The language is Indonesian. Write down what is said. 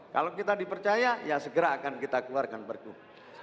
kalau kita dipercaya ya segera akan kita keluarkan pergub